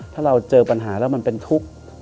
ถ้าเราเจอปัญหาแล้วมันเป็นทุกข์